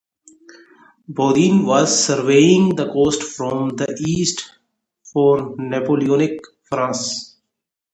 Baudin was surveying the coast from the east for Napoleonic France.